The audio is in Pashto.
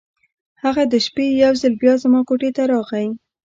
هغه د شپې یو ځل بیا زما کوټې ته راغی.